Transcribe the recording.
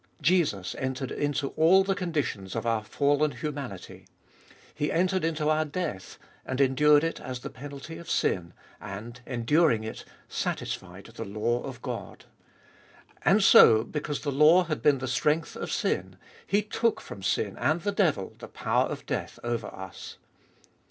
Jesus entered into all the conditions of our fallen humanity. He entered into our death, and endured it as the penalty of sin, and, enduring it, satisfied the law of God. And so, because the law had been the strength of sin, He took from sin and the devil the power of death over us.